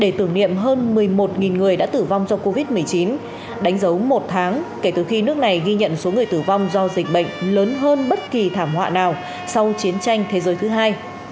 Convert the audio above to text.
để tưởng niệm hơn một mươi một người đã tử vong do covid một mươi chín đánh dấu một tháng kể từ khi nước này ghi nhận số người tử vong do dịch bệnh lớn hơn bất kỳ thảm họa nào sau chiến tranh thế giới thứ hai